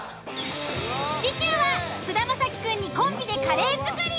次週は菅田将暉くんにコンビでカレー作り！